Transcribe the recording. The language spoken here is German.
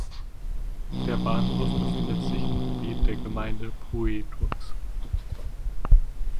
Der Bahnhof befindet sich im Gebiet der Gemeinde Puidoux.